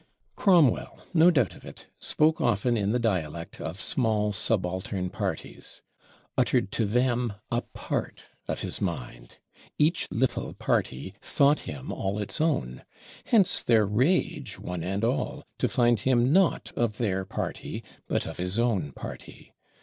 Cromwell, no doubt of it, spoke often in the dialect of small subaltern parties; uttered to them a part of his mind. Each little party thought him all its own. Hence their rage, one and all, to find him not of their party, but of his own party!